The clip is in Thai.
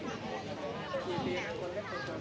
และสวัสดีติดตาม